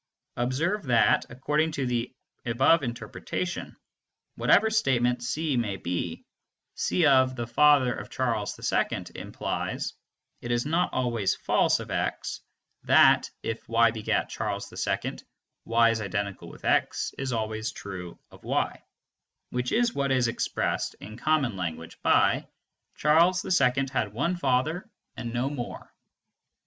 Observe that, according to the above interpretation, whatever statement C may be, "C (the father of Charles II)" implies: "It is not always false of x that 'if y begat Charles II, y is identical with x' is always true of y," which is what is expressed in common language by "Charles II had one father and no more."